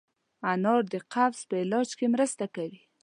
انار د قبض په علاج کې مرسته کوي.